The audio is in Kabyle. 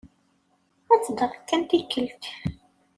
Ad teddreḍ kan tikkelt.